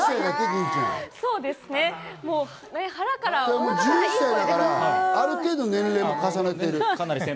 銀ちゃん、１１歳だから、ある程度、年齢も重ねてる。